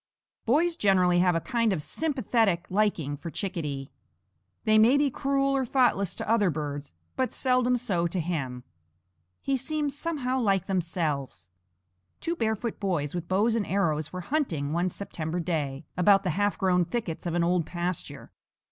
Boys generally have a kind of sympathetic liking for Chickadee. They may be cruel or thoughtless to other birds, but seldom so to him. He seems somehow like themselves. Two barefoot boys with bows and arrows were hunting, one September day, about the half grown thickets of an old pasture.